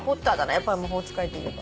やっぱり魔法使いといえば。